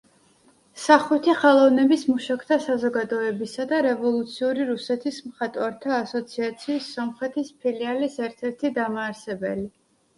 სახვითი ხელოვნების მუშაკთა საზოგადოებისა და რევოლუციური რუსეთის მხატვართა ასოციაციის სომხეთის ფილიალის ერთ-ერთი დამაარსებელი.